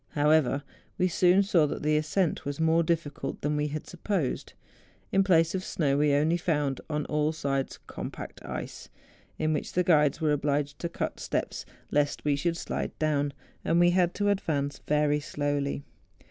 However, we soon saw that the ascent was more difficult than we had supposed. In place of snow, we only found on all sides com¬ pact ice, in which the guides were obliged to cut steps lest we should slide down; and we had to advance very slowly.